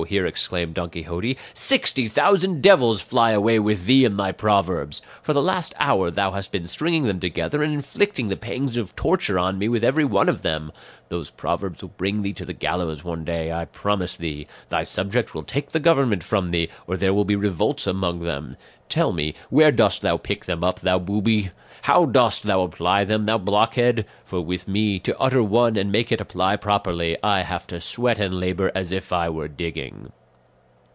here exclaimed Don Quixote; "sixty thousand devils fly away with thee and thy proverbs! For the last hour thou hast been stringing them together and inflicting the pangs of torture on me with every one of them. Those proverbs will bring thee to the gallows one day, I promise thee; thy subjects will take the government from thee, or there will be revolts among them. Tell me, where dost thou pick them up, thou booby? How dost thou apply them, thou blockhead? For with me, to utter one and make it apply properly, I have to sweat and labour as if I were digging."